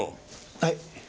はい。